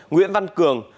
nguyễn văn cường